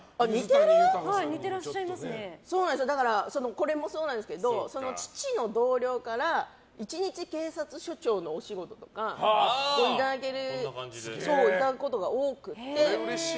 これもそうなんですけど父の同僚から１日警察署長のお仕事とかをいただくことが多くて。